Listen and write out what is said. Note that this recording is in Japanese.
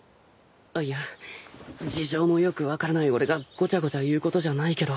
あっいや事情もよく分からない俺がごちゃごちゃ言うことじゃないけど。